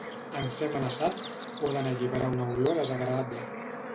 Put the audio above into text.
En ser amenaçats, poden alliberar una olor desagradable.